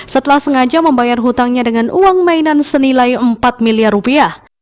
setelah sengaja membayar hutangnya dengan uang mainan senilai empat miliar rupiah